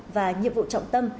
và nhiệm vụ trọng tâm